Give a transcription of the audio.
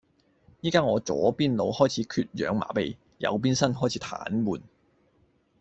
宜家我左邊腦開始缺氧麻痺，右半身開始癱瘓